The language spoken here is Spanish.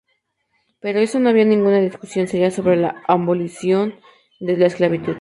Por eso no había ninguna discusión seria sobre la abolición de la esclavitud.